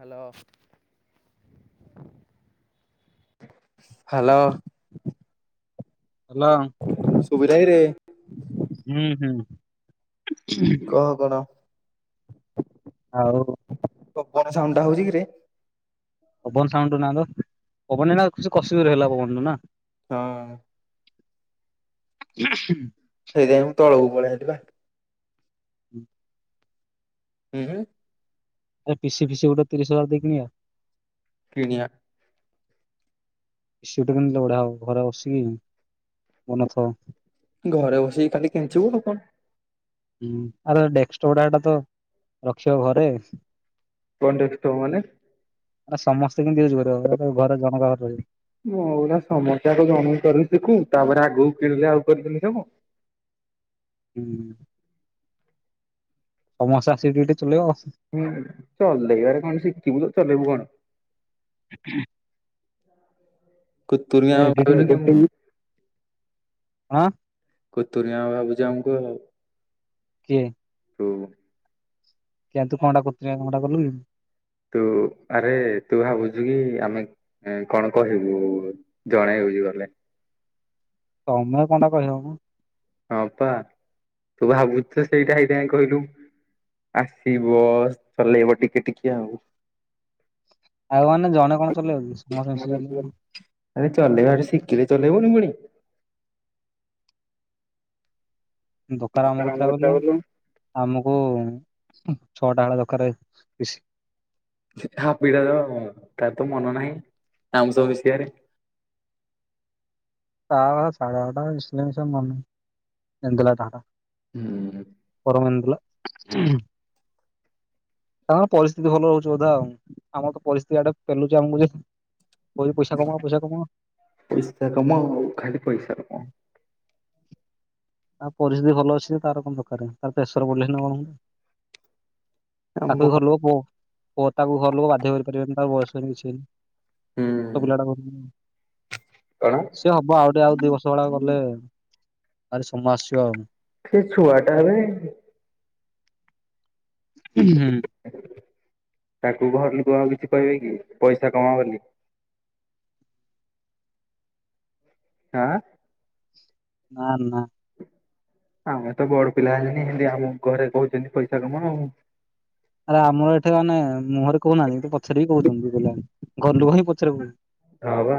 Hello hello. Hello. ସୁବିଲା କିରେ? ହୁଁ ହୁଁ। କହ କଣ? ଆଉ ପବନ ସାଉଣ୍ଡ ଟା ହଉଚି କିରେ? ପବନ ସାଉଣ୍ଟୁ ନା ତ ପବନ ଟା ଏନା କ କସିକି ଜୋରେ ହେଲା ପବନ ଟା ନା? ହଁ। ହ ସେଇଥିପାଇଁ ମୁଁ ତଳକୁ ପଳେଇଆଇଲି ପା। ହୁଁ। ହୁଁ? ଆ ପିସି ଫିସି ଗୋଟେ ତିରିଶ ହଜାର ଦେଇକି କିଣିଆ? କିଣଆ ପି ସି ଗୋଟେ କିଣିିଲ ବଢଆ ହବ ଘରେ ବସିକି ବନଥ ଘରେ ବସିକି ଖାଲି କେଞ୍ଚିବୁ ଆଉ କଣ। ହୁଁ ଆରେ ଡେକଷ୍ଟପ ଟା ହେଟା ତ ରଖିବ ଘରେ। କଣ ଡିଷ୍ଟପ ମାନେ ଆ ସମସ୍ତେ କେମିତି ୟୁଜ୍ କରିବ ଘର ଘରେ ଜଣକାର ରହିବ ମୁଁଉଟା ସମସ୍ୟାକୁ ଜଣେଇ ପାରୁଛିି କୁ ତାପରେ ଆଗକୁ କିଣିଲେ ଆଉ କରିଦେଲିି ସବ ହୁଁ ସମସ୍ତେ ଆସିକି ଟିକ ଟିକେ ଚଳେଇବ ହୁଁ ଚଲେଇବାରେ କଣ ଶିଖିବୁ ତ ଚଲେଇବୁ କଣ ହୁଁ କୁ ତୁରିଆ [unintelligible] ଆଁ କୁତୁରିଆ ଭାବୁଛି ଆମକୁ ଆଉ କିଏ ତୁ କେ ତୁ କଣ୍ଟା କରୁଚୁ କଟା କଲୁ କି ତୁ ଆରେ ତୁ ଭାବୁଚୁ କି ଆମେ ଏ କଣ କହିବୁ ଜଣେଇ ହଉଛି ଗଲେ ତମେ କଣଟା କହିବ ମ ହଁପା ତୁ ଭାବୁଛୁ ସେଇଟା ହେଇଥା କହିଲୁ ଆସିବ ଚଲେଇବ ଟିକେ ଟିକେ ଆଉ ଆଉ କଣ ନା ଜଣେ କଣ ଚଲେଇବକି ସମସ୍ତେ ମିଶିକି ଚଲେଇ ଆରେ ଚଲେଇବା ଆଗେ ଶିଖିଲେ ଚଲେଇବୁନୁ ପୁଣି ଦୋକାନ ଆମ କତଟା କଲୁ ଆମକୁ ଛଅଟା ବେଳ ଦରକାର ପିଶି ସିଧା ହାପିଟା ର ତାର ତ ମନ ନାହିଁ ଆମସହ ମିଶିବାରେ ତା କଥାଛାଡ ହେଟା ମିଶି ଲେ ମିଶୁ ନହେଲେ ନାହିଁ କେନ୍ଦଲା ଟା ହେଟା ହୁଁ ଉଁ [unintelligible] ତାଙ୍କ ର ପରିସ୍ଥିତି ଭଲ ରହୁଛି ବୋଧେ ଆଉ ଆମର ତ ପରିସ୍ଥିତି ଆଡ଼େ ପେଲୁଛି ଆମକୁ ଯେ କହଉଛି ପଇସା କମାଅ ପଇସା କମାଅ ପଇସାକାମଅ ଖାଲି ପଇସାକମାଅ ଆଉ ପରିସ୍ଥିତି ଭଲ ଅଛି ତାର କଣ ଦରକାର ଆଉ ତାର ପ୍ରେସର ପଡିଲେ ନା କଣ ଆମ ତାକୁ ବି ଘର ଲୋକ ପୁଅ ପୁଅ ତାକୁ ଘର ଲୋକ ବାଧ୍ୟ କରିପାରିବେନି ତାକୁ ବୟସ ହେଇନି କିଛିହେଇନି। ହୁଁ ଛୋଟ ପିଲାଟା କହୁଛନ୍ତି। କଣ? ସିଏ ହବ ଆଉ ଟିକେ ଆଉ ଦୁଇ ବର୍ଷ ଭଳିଆ ଗଲେ ଆଉ ତାର ସମୟ ଆସିବ ଆଉ ସେ ଛୁଆଟାଏବେ ଉଁ ହୁଁ ତାକୁ ଘର ଲୁକ ଆଉ କିଛି କହିବେ କି ପଇସା କମାଅ ବୋଲି କାଣା? ନା ନା ଆମେ ତ ବଡ ପିଲା ହେଲେଣି ହେନ୍ଦୀ ଆମ ଘରେ କହୁଛନ୍ତି ପଇସା କାମଅ ଆଉ ଆରେ ଆମର ଏଠି ମାନେ ମୁହଁରେ କହୁନାହାନ୍ତି କିନ୍ତୁ ପଛରେ ବି କହୁଛନ୍ତି [unintelligible] ଘର ଲୋକ ହିଁ ପଛରେ କହୁଛନ୍ତି ହଁ ଵା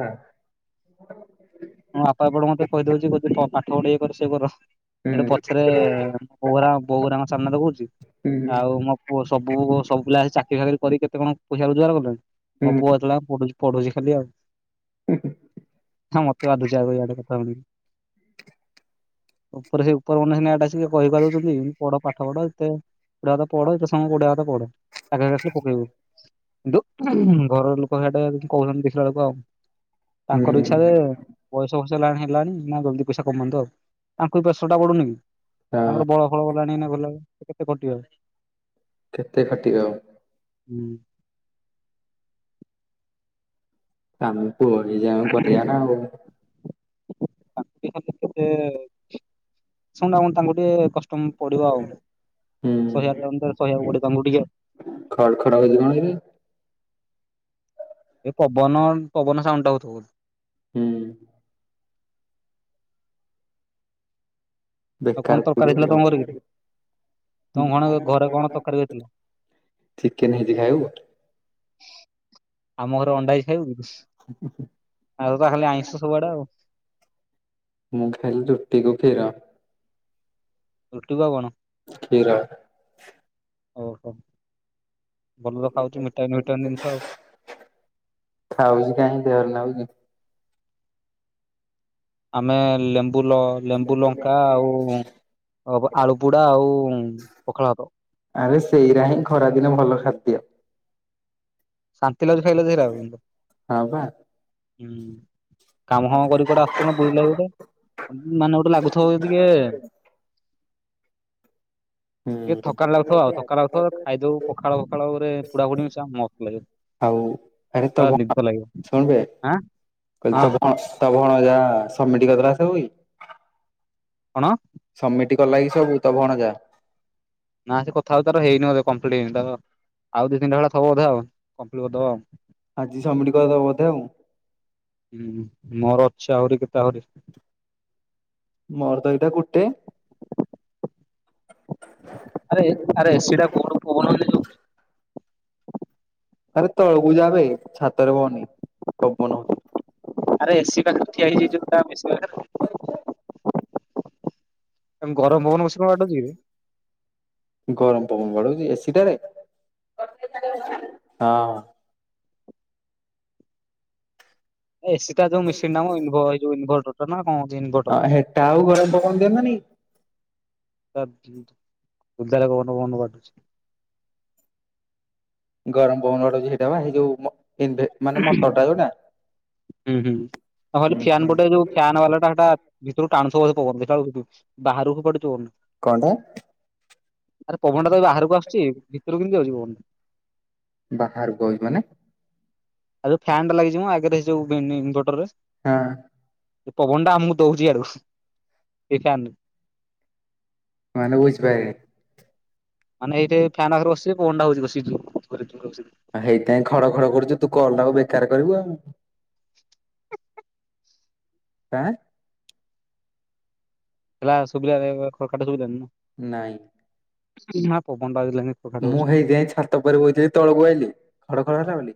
[unintelligible] ହଁ ମୋ ବାପା ମତେ ଏପଟେ କହିଦଉଛି ପ ପାଠ ପଢ ୟିଏ ସିଏ କର ହୁଁ ହେଟୁ ପଛରେ ଏ ବୋଉରା ବୋଉ ହେରା ଙ୍କ ସାମ୍ନା ରେ କହୁଛି ହୁଁ ଆଉ ମୋ ପୁଅ ସବୁ ସବୁ ପିଲା ଆସି ଚାକିରି ବାକିରି କରି କେତେ କଣ ପଇସା ରୋଜୋଗାର କରୁଛନ୍ତି ମୋ ହୁଁ ପୁଅ ଏତବଳ ଯାଏ ପଢୁଛି ପଢୁଛି ଖାଲି ଆଉ ହିଁ ହିଁ [unintelligible] [unintelligible] ଉପରେ ସେ ଉପର ମାନେ ହେଟା କହି ପାରୁଛନ୍ତି ପଢପାଠ ପଢ ଯେତେ ଯେତେ ପାଠ ପଢ ଯେତେ ସମୟ ପଢିବା କଥା ପଢ ଚାକିରୀ ଆସିଲେ ପକେଇବୁ। ଦୁ ଘରର ଲୋକ ହେଆଡେ କହୁଛନ୍ତି ଦେଖିଲା ବେଳକୁ ଆଉ ତାଙ୍କର ଇଚ୍ଛାଯେ ହୁଁ ବୟସ ଫଇସ ହେଲାଣି ହେଲାଣି ନା ଜଲଦି ପଇସା କମାନ୍ତୁ ଆଉ ତାଙ୍କୁ ବି ପ୍ରେସର ଟା ପଡୁନି କି ହଁ। ତାଙ୍କର ବଳ ବଳ ଗଲାଣି ନା ଗଲା କେତେ ଖଟିବେ ଆଉ। କେତେ ଖଟିବେ ଆଉ। ହୁଁ। କାମ ପୁଅ ଯେ ଆମେ କରିବା ନା ଆଉ। [unintelligible] ଶୁଣିଲାମାନେ ତାଙ୍କୁ ଟିକେ କଷ୍ଟ ପଡିବ ଆଉ ହୁଁ ସହି ବାକୁ ତାଙ୍କୁ [unintelligible] ଖଡ ଖଡ ହଉଛି କଣ କି? ଏ ପବନ ପବନ ସାଉଣ୍ଡ ଟା ହଉଥିବ। ହୁଁ। ଆଉ ବେକାର କଣ ତରକାରୀ କରିବୁ ହେଇଥିଲା ଆଉ। ତମ ଘରେ କି ତମ ଘଣ ଘରେ କଣ ତରକାରୀ ହେଇଥିଲା? ଚିକେନ ହେଇଛି ଖାଇବୁ? ଆମ ଘରେ ଅଣ୍ଡା ହେଇଛି ଖାଇବୁ ଆମର ତ ଖାଲି ଆଇଁଷ ସବୁଆଡେ ଆଉ। ମୁଁ ଖାଇଲି ରୁଟିକୁ କ୍ଷୀର। ରୁଟି କୁ ଆଉ କଣ? କ୍ଷୀର। ଓହୋ ଭଲ ତ ଖାଉଛୁ ଭିଟାମିନ ଫିଟାମିନ ଜିନିଷ ଆଉ। ଖାଉଛି କାଇଁ ଦେହରେ ଲାଗୁଛି? ଆମେ ଲେମ୍ବୁ ଲ ଲେମ୍ବୁ ଲଙ୍କା ଆଉ ଆଳୁ ପୁଡା ଆଉ ପଖାଳ ଭାତ। ଆରେ ସେଇରା ହିଁ ଖରାଦିନ ଭଲ ଖାଦ୍ୟ। ଶାନ୍ତି ଲାଗୁ ଖାଇଲେ ସେଇରାକ ହଁ ବା। ହୁଁ କାମ ହଁ କର କୁଟେ ଆସ। କଣ ବୁଲିଲାଗ ଗୋଟେ ମାନେ ଗୋଟେ ଲାଗୁଥିବ ଟିକେ ହୁଁ ଏ ଥକା ଲାଗୁଥିବ ଆଉ ଥକା ଲାଗୁଥିବ ଖାଇଦବ ପଖାଳ ଫଖାଳରେ ପୁଡା ଫୁଡି ମିଶା ମସ୍ତ ଲାଗେ। ଆଉ ଆରେ [unintelligible] ତ ଭଣଯା ଆଁ ହଁ ସମିଟି କରିଦେଲା ସବୁ କି? କଣ? ସବମିଟ କଲା କିି ସବୁ ତୋ ଭଣଜା? ନା ସେ କଥା ହଉ ତାର ହେଇନି ବଧେ କମ୍ପ୍ଲିଟ ଆଉ ଦି ତିିଟା ବେଳଥବ ବଧେ ଆଉ କମ୍ପ୍ଲିଟ କରିଦବ ଆଉ। ଆଜି ସବମିଟ କରିଦବ ବୋଧେ ଆଉ। ହୁଁ ମୋର ଅଛ ଆହୁରି କେତେ ଆହୁରି ମୋର ତ ଏଟା ଗୋଟେ ଆରେ ଆରେ ଏ ସି ଟା କୁଆଡେ ପବନ ହଉନି ଆରେ ତଳକୁ ଯାବେ ଛାତରେ ହୁଏନି ପବନ। ଆରେ ଏସି ପାଖରେ ଠିଆ ହେଇଯାଇ ଯୋଉ ଏସି ପାଖରେ [unintelligible] ଏମ ଗରମ ପବନ ମସ ବାଟୁଛି କି? ଗରମ ପବନ ବଡଉଛି ଏସି ଟାରେ ହଁ। ଏ ସସି ଟା ଯୋ ମ ମିସିନ୍ ଯଉଇଭର୍ଟର ଟା ନା କଣଉ ଇନଭଟର। ତା ଆଉ ଘରରେ ପବନ ଦିଅନ ନାଇଁ। ଧ କନ ବନ କଟୁଛି [unintelligible] ଗରମ ପବନଡ ଯଟା ବାଇ ଯୋଉ ମାନେ ମଟରଟା ଯୋଉଟା ହୁଁ ହୁଁ ଆଉ ଫାନ ପୋଟେ ଯୋଉ ଫନ୍ ବାଲା ଟା ସେଟା ଭିତରୁ ଟାଣୁଥିବ ସେ ପବନ ଦେଖିଲାବେଳକୁ ବାହାରକୁ ପଡୁଥିବ। କଣ ଟା? ଆରେ ପବନଟା ତ ଏ ବାହାରକୁ ଆସୁଛି ଭିତକୁ କେିତି ଯାଉଛି ପବନା। ବାହାରକୁ ହେଇଛି ମାନେ ଆଉ ଫ୍ୟାନ ଟା ଲାଗିଚି ମୁଁ ଆଗରେ ଏ ଯୁ ଇନଭର୍ଟରରେ ହଁ। ପବନ ଟା ଆମକୁ ଦଉଛି ଇଆଡୁ ଏଫ୍ୟାନ ମାନେ ବୁଝିପାଇ ମାନେ ଏଇଠି ଫ୍ୟାନ୍ ପାଖରେ ବସିଛି ପବନ ଟା ହଉଛି ବସିଛୁ। ଆଉ ହେଇଥିାପାଇଁ ଖଡ ଖଡ କରୁଛୁ ତୁ କଲଟାକୁ ବେକାର କରିବୁ ଆଉ। ଆଁ। ଏଲା ଶ ସୁଭିଟ ଶୁଭିନ [unintelligible] ନାଇଁ। ଇ ମା ପବନ ଟା ବାଜିଲାଣି। ମୁଁ ହେଇଥି ପାଇଁ ଛାତ ଉପରେ ବଇଥିଲି ତଳକୁ ଆଇଲି ଖଡ ଖଡ଼ ହେଲା ବୋଲି।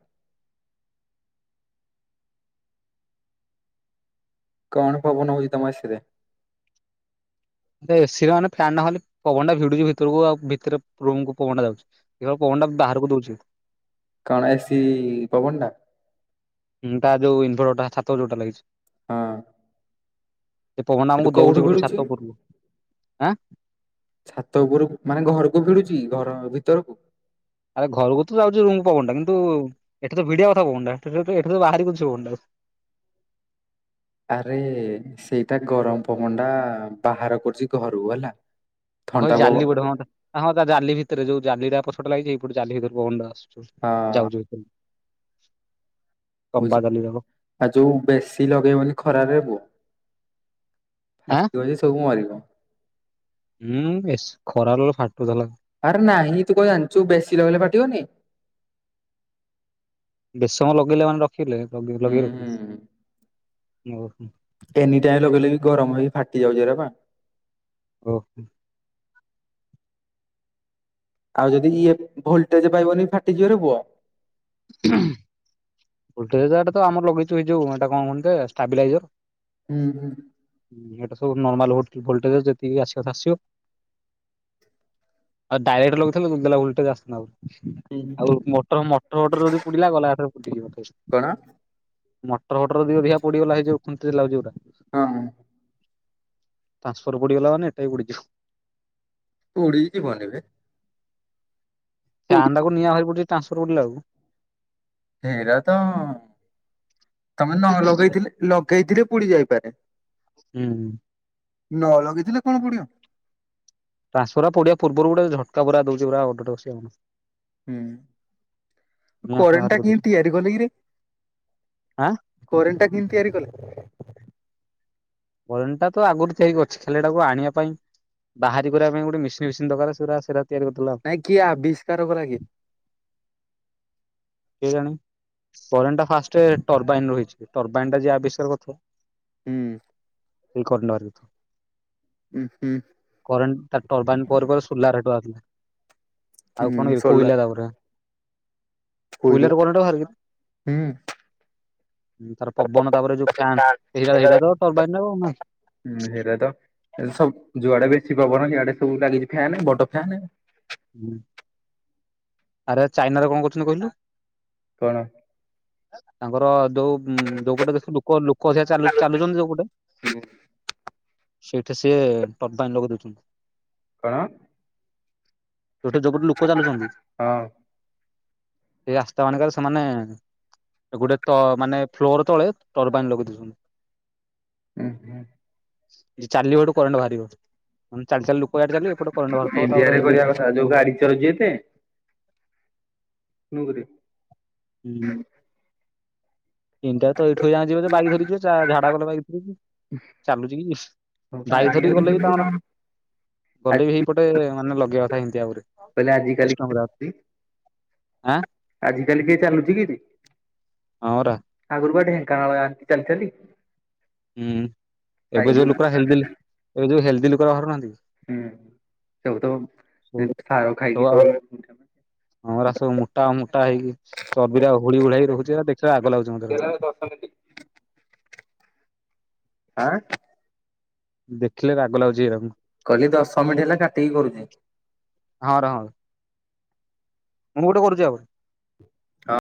କଣ ପବନ ହଉଛି ତମ ଏସିରେ? ଏସି ରେ ମାନେ ଫ୍ୟନ୍ ନହେଲେ ପବନ ଟା ଭିଡୁଛି ଭିତରକୁ ଆଉ ଭିତରେ ରୁମ କୁ ପବନ ଟା ଯାଉଛି। ଧିର ପବନ ଟା ବାହାରକୁ ଦଉଛି। କଣ ଏସି ପବନ ଟା। ତା ଯୋଉ ଇନଭେଟର ଟା ଛାତ ଉପରେ ଯୋଉଟା ଲାଗିଛି। ହଁ। ସେ ପବନ ସେଠୁ ଆମକୁ କୋଉଠୁ ଦଉଛି ଗୋଟେ ଭିଡୁଛି ଛାତ ଉପରୁ ଏଁ। ଛାତ ଉପରୁ ମାନେ ଘରକୁ ଭିଡୁଛି ଘର ଭିତରକୁ। ଆରେ ଘରକୁ ତ ଯାଉଛି ରୁମକୁ ପବନା କିନ୍ତୁ ଏଠି ତ ଭିଡିଆ କଥା ପବନଟା ଏଠି ତ ବାହାରି କୁଚି ପବନ ଟା। ଆରେ ସେଇଟା ଗରମ ପବନ ଟା ବାହାର କରୁଛି ଘରୁ ହେଲା। ହଁ ଥଣ୍ଡା ପବନ ଜାଲି ଗୋଟେ ହଁ ତା ହଁ ତା ଜାଲି ଭିତରେ ଯୋଉ ଜାଲି ଉରା ପଛଟେ ଲାଗିଛି ଜାଲି ଭିତରେ ପବନ ଟା ଆଶୁ। ଯାଉଛୁ ବୁଝ ତମ୍ବା ଜାଲି ଗୁରକ୍। ଆଉ ଯୋଉ ବେଶୀ ଲଗେଇବନି ଖରାରେ ପୁଅ ଆଁ ଫାଟି ବ ଯେ ସବୁ ମରିବ। ହୁଁ ଏ ଖରା ଫାଟୁ ଥିଲା। ଆରେ ନାହିଁ ତୁ କ ଜାଣିଛୁ ବେଶୀ ଲଗେଇଲେ ଫାଟିବନି। ବେଶୀ ସମୟ ଲଗେଇଲେ ମାନେ ରଖିଲେ ହୁଁ ଲଗେଇ ରଖିଲେ ହୁଁ ଓ ଏନି ଟାଇମ ଲଗେଇଲେ କି ଗରମ ହେଇକି ଫାଟି ଏରା ବା। ଓ ଆଉ ଯଦି ଇଏ ଭୋଲଟେଜ ପାଇବନି ଫାଟିଯିବ ରେ ପୁଅ। ଭୋଲଟେଜଟା ତ ଆମର ଲଗେଇଛୁଇ ଏ ଯଉ ଏଇଟା କଣ କେ ଷ୍ଟାବିଲାଇଜର। ହୁଁ ହୁଁ। ଏଟା ସୁବୁ ନର୍ମା ଭୋଲଟେଜ ଯେତିକି ଆସିବା କଥା ଆସିବ। ଆଉ ଡାଇରେକ୍ଟ ଲଗେଇଥିଲେ ଦୁଲୁଦାଲ ଭୋଲ୍ଟେଜ ଆସନ୍ତା ଆଉ। ହୁଁ ହୁଁ। ଆଉ ମଟର ମଟର ଫଟର ଯଦି ପୁଡିଲା ଗଲାରେ ପୁ [inaudible] କଣ ମଟର ଫଟର ଅଧିକ ପୋଡିଗଲା ହେ ଯୋଉ ଖୁଣ୍ଟିରେ ଗୁରା। ହଁ। ଟ୍ରାସଫର ପୋଡ଼ିଗଲା ମାନେ ଏଟା ବି ପୋଡିଯିବ। ଉଡ଼ି ଜୀବନୀ ବେ ପୋଡି ଫ୍ୟାନ ଟାକୁ କୁ ନିଆ ଭହାରି ପଡିଛି ଟ୍ରାସଫର ପୋଡିଲା ଆକୁ। ହେରା ତ ତମେ ନ ଲଗେଇଥିଲେ ଲଗେଇଥିଲେ ପୁଡି ଯାଇପାରେ। ହୁଁ। ନ ଲଗେଇଥିଲେ କଣ ପୁଡିବ? ଟ୍ରନ୍ସଫର ପୋଡିବା ପୂର୍ବ ଗୋଟେ ଝଟକା ପୁରା ଦଉଛି ପୁର ଅ [unintelligible] ହୁଁ ଫିଆଁ ବାହାରି କରେଣ୍ଟ କି କରିଦଉଛି। ତିଆରି [inaudible] ଆଁ କରେଣ୍ଟ କିମିତି ତିଆରି କଲେ,? କରେଣ୍ଟ ତ ଆଗରୁ ତିଆରି କରିଥିଲେ ଖାଲି ହେଇଟା ଆଣିବା ପାଇଁ ବାହାରି କରିବା ପାଇଁ ଗୋଟେ ମିେସିନ୍ ଫିସିନ୍ ଦରକାର ସେଟା ସେଟା ତିଆରି କରୁଥିଲା ଆଉ। ନାଇଁ କିଏ ଆବିଷ୍କାର କରା କି? କେଜାଣି, କରେଣ୍ଟ ଫାଷ୍ଟେ ଟର୍ବାଇନ୍ ରହିଛି। ଟର୍ବାଇନ୍ ଟା ଯିଏ ଆବିଷ୍କାର କରିଥିବ ହୁଁ। [unintelligible] ଉଁ ହୁଁ। କରେଣ୍ଟ ତାର୍ ଟରବାଇନ୍, ପରେ ପରେ ସୋଲାର ହେଟୁ ଆସୁଛି। ଆଉ ହୁଁ କଣ ଏ ସୋଲାର କୋଇଲା ଏଗୁରା କୋଇଲା କୋଇଲାରୁ କରେଣ୍ଟ ବାହାରେ କି? ହୁଁ। ହୁଁ ତାର ପବନ ତାପରେ ଯୋଉ ଫ୍ୟା, ନ୍ ଏଇଟା ସେଇଟା ତ ଟରବାଇନ୍ ହବ ନା ହୁଁ ହେରା ତ ସବୁ ଯୁଆଡେ ବେଶୀ ପବନ ସିଆଡେ ସବୁ ଲାଗିଛି ଫ୍ଯାନ୍ ବଡ ଫ୍ଯାନ୍ ହୁ। ଆରେ ଚାଇନା ରେ କଣ କରହୁଛନ୍ତି କହିଲୁ? କଣ? ତାଙ୍କର ଯୋଉ ଯୋଉପଟେ ବେଶୀ ଲୋକ, ଲୋକ ସେରା ଚାଲୁ-ଚାଲୁଛନ୍ତି ଯୋଉପଟେ ହ ସେଇଠି ସିଏ ଟରବାଇନ୍ ଲଗେଇ ଦୋଉଛନ୍ତି। କଣ? ଯୋଉଟା, ଯୋଉ ପଟେ ଲୋକ ଚାଲୁଛନ୍ତି। ହଁ। ସେଇ ରାସ୍ତା ମାନକରେ ସେମାନେ ଗୋଟେ ତ ମାନେ ଫ୍ଲୋର ତଳେ ଟରବାଇନ୍ ଲଗେଇ ଦୋଉଛନ୍ତି। ହୁଁ ହୁଁ। ସେ ଚାଲି ବାଠୁ କରେଣ୍ଟ ବାହାରିବ। ଚାଲି ଚାଲି ଲୋକ ଇଆଡେ ଚାଲିବେ ଏପଟେ କରେଣ୍ଟ ବାହାରୁଥିବ ତାପରେ ଇଣ୍ଡିଆରେ କରିବା ଇଲେକ୍ଟ୍ରିସିଟି କଥା ତାଙ୍କର ଯୋଉ ଗାଡି ଚାଲୁଛି ଏତେ ମୁଁ କିରେ ହୁଁ। ତିନିଟା ତ ଏଇଠୁ ଯାଏଁ ଯିବ ଯେ ବାଇକ୍ ଧରି ଯିବ। ଜା-ଝାଡା ଗଲେ ବାଇକ୍ ଧରିି ଯିବେ। ଚାଲୁଛିକି, ବାଇକ୍ ଧରିକି ଗଲେ ବି ତମର ଗଲେ ବି ହେଇପଟେ ମାନେ ଲଗେଇବା ପାଇଁ ଦିଆ କହିଲେ ହୁଏ। ଆଜିକାଲି [unintelligible] ଆଁ। ଆଜି କାଲି କିଏ ଚାଲୁଛି କି ଏଠି? ହଁ ପରା ଆଗରୁ ବା ଢେଙ୍କାନାଳ ଆସୁଥିଲେ ଚାଲି ଚାଲି। ହୁଁ। ଏବେ ଯୋଉ ସାଇକେଲ ଲୁକରା ହେଲ୍ଦି ଯୋଉ ହେଲ୍ଦି ଲୁକରା ବାହାରୁନାହାନ୍ତି ହୁଁ। ସବୁ ତ ସବୁ ଏମିତି ସାର ଖାଇକି ସବୁବେଳେ ହଁରା ସବୁ ମୁଟା, ମୁଟା ହେଇିକି ଚର୍ବିରା ଓହଳି ଉଳାକି ହେଇ ରହୁଛି ଦେଖିଲେ ରାଗ ଲାଗୁଛି। ମତେ [unintelligible] ଆଁ। ଦେଖିଲେ ରାଗ ଲାଗୁଛି ଏରାଙ୍କୁ। କହିଲି ଦଶ ମିନିଟ୍ ହେଲା କାଟିକି କରୁଛି। ହଁ ରହ। ମୁଁ ଗୋଟେ କରୁଛି ଆଉ? ହଁ।